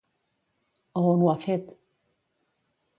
A on ho ha fet?